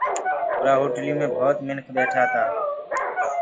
اُرآ هوٽليٚ مي ڀوت منک ٻيٺآ تآ